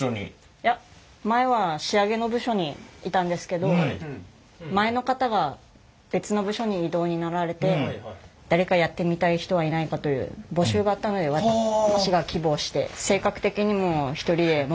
いや前は仕上げの部署にいたんですけど前の方が別の部署に異動になられて誰かやってみたい人はいないかという募集があったので私が希望して。